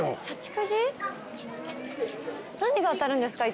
何が当たるんですか？